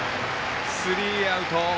スリーアウト。